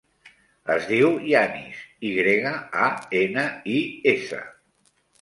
Es diu Yanis: i grega, a, ena, i, essa.